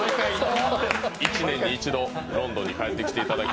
１年に１度、ロンドンに帰ってきていただいて。